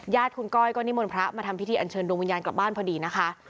ญาติคุณก้อยก็นิมนต์พระมาทำพิธีอันเชิญดวงวิญญาณกลับบ้านพอดีนะคะ